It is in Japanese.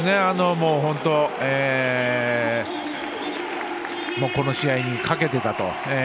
もう本当この試合にかけてたと。